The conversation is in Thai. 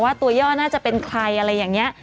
ตัวย่อน่าจะเป็นใครอะไรอย่างนี้